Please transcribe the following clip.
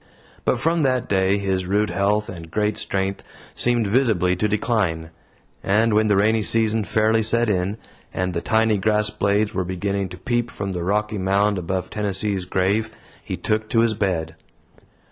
But from that day his rude health and great strength seemed visibly to decline; and when the rainy season fairly set in, and the tiny grass blades were beginning to peep from the rocky mound above Tennessee's grave, he took to his bed.